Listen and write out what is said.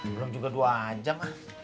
belum juga dua jam lah